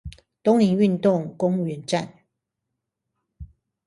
東寧運動公園站